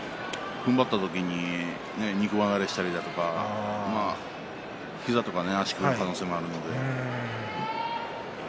ふんばった時に肉離れしたりとか膝とか足首の可能性もあるので。